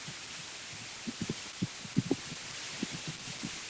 它毁灭性地袭击了东巴基斯坦和印度西孟加拉邦。